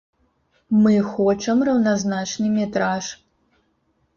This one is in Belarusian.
Мы хочам раўназначны метраж.